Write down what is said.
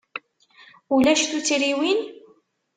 Ulac tuttriwin?